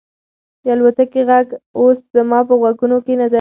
د الوتکې غږ اوس زما په غوږونو کې نه دی.